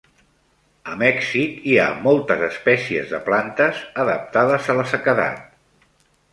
A Mèxic hi ha moltes espècies de plantes adaptades a la sequedat.